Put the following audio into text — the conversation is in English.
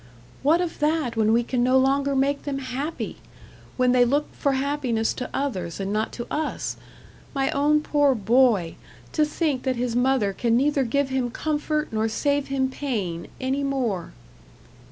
"What of that when we can no longer make them happy? When they look for happiness to others and not to us? My own poor boy! To think that his mother can neither give him comfort, nor save him pain, any more."